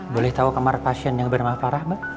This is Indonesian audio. boleh tau kamar pasien yang bernama farah mbak